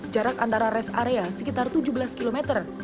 jarak antara rest area sekitar tujuh belas km